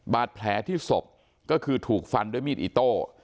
บาดแผลที่ศพก็คือถูกฟันด้วยมีดอิโต้